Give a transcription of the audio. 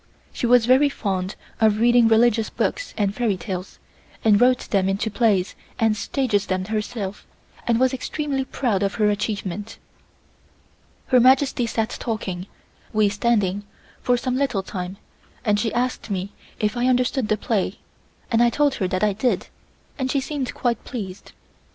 She was very fond of reading religious books and fairy tales, and wrote them into plays and staged them herself, and was extremely proud of her achievement. Her Majesty sat talking, we standing, for some little time and she asked me if I understood the play, and I told her that I did and she seemed quite pleased.